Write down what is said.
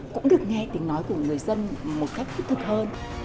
cũng được nghe tiếng nói của người dân một cách thích thật hơn